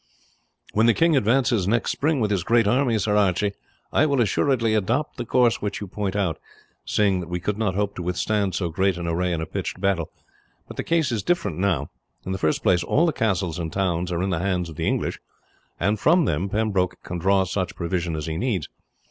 "When the king advances next spring with his great army, Sir Archie, I will assuredly adopt the course which you point out, seeing that we could not hope to withstand so great an array in a pitched battle; but the case is different now. In the first place all the castles and towns are in the hands of the English, and from them Pembroke can draw such provision as he needs.